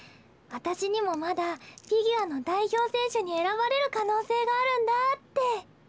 私にもまだフィギュアの代表選手に選ばれる可能性があるんだって。